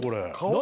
何？